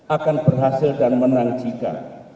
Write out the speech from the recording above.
akan berhasil dan menang jika